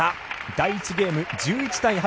第１ゲーム、１１対８。